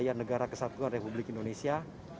wilayah negara kesatuan republik indonesia